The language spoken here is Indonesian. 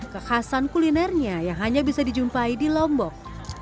kekhasan kulinernya yang hanya bisa dijumpai di lombok